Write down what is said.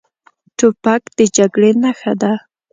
توپک د جګړې نښه ده.